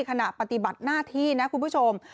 ขณะปฏิบัติหน้าที่นะคุณผู้ชม